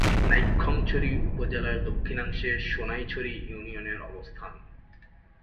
নাইক্ষ্যংছড়ি উপজেলার দক্ষিণাংশে সোনাইছড়ি ইউনিয়নের অবস্থান।